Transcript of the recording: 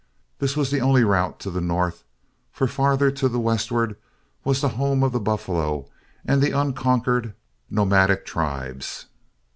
This was the only route to the north; for farther to the westward was the home of the buffalo and the unconquered, nomadic tribes.